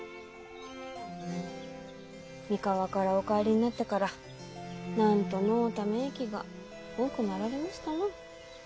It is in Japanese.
三河からお帰りになってから何とのうため息が多くなられましたな。